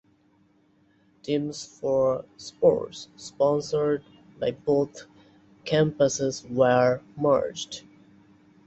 Teams for sports sponsored by both campuses were merged.